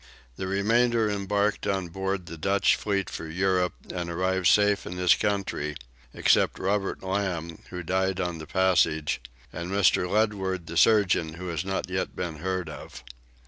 The remainder embarked on board the Dutch fleet for Europe, and arrived safe at this country, except Robert Lamb, who died on the passage, and Mr. Ledward the surgeon who has not yet been heard of.